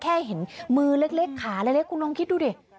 แค่เห็นมือเล็กขาเล็กคุณลองคิดดูดิ